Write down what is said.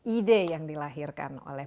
ide yang dilahirkan oleh